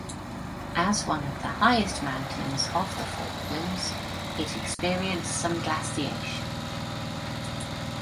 As one of the highest mountains of the Falklands, it experienced some glaciation.